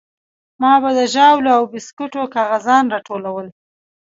ما به د ژاولو او بيسکوټو کاغذان راټولول.